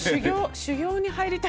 修業に入りたい。